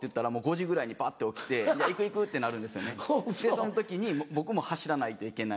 その時に僕も走らないといけない。